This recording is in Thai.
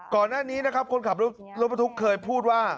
ก่อนหน้านี้นะครับคนขับรถบรรทุกเคยพูดว่า